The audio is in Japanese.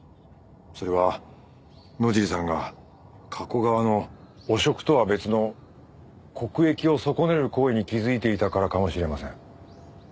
それは野尻さんが加古川の汚職とは別の国益を損ねる行為に気づいていたからかもしれません。